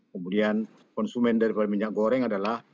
kemudian konsumen daripada minyak goreng adalah